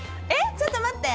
ちょっと待って。